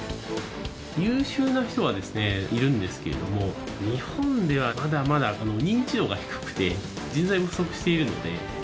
優秀な人はですね、いるんですけれども、日本ではまだまだ認知度が低くて、人材も不足しているので。